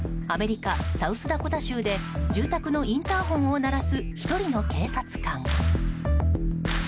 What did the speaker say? アメリカ・サウスダコタ州で住宅のインターホンを鳴らす１人の警察官。